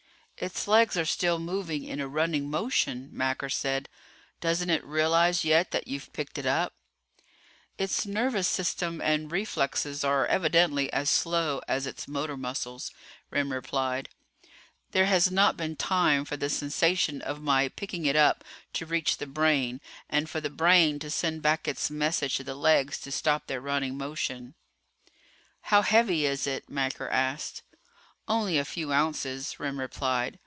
"Its legs are still moving in a running motion," Macker said. "Doesn't it realize yet that you've picked it up?" [Illustration: It was an arm to be proud of but what good was it?] "Its nervous system and reflexes are evidently as slow as its motor muscles," Remm replied. "There has not been time for the sensation of my picking it up to reach the brain, and for the brain to send back its message to the legs to stop their running motion." "How heavy is it?" Macker asked. "Only a few ounces," Remm replied.